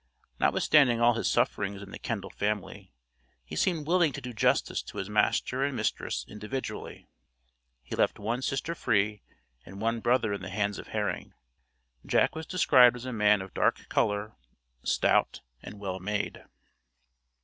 Notwithstanding all his sufferings in the Kendall family, he seemed willing to do justice to his master and mistress individually. He left one sister free and one brother in the hands of Herring. Jack was described as a man of dark color, stout, and well made.